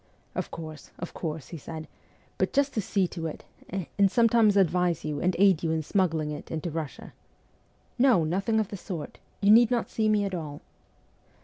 ' Of course, of course,' he said, ' but just see to it, and sometimes advise you, and aid you in smuggling it into Russia.' ' No, nothing of the sort ! You need not see me at all.'